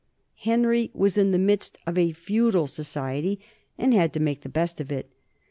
Henry was in the midst of a feudal society and had to make the best of it.